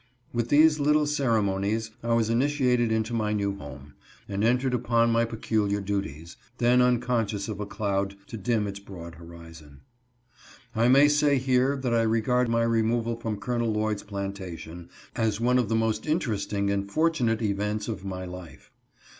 With these little \\ 90 TURNING POINT IN HIS LIFE. ceremonies I was initiated into my new home, and entered upon my peculiar duties, then unconscious of a cloud to dim its broad horizon. I may say here that I regard my removal from Col. Lloyd's plantation as one of the most interesting and for tunate events of my life.